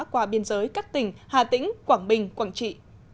qua biên giới các tỉnh hà tĩnh quảng bình quảng trị